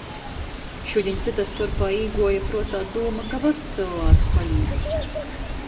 Šudiņ cyta storpā īguoja pruotā dūma, ka vacs cylvāks palīk.